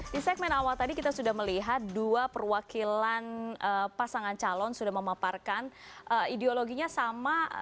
di segmen awal tadi kita sudah melihat dua perwakilan pasangan calon sudah memaparkan ideologinya sama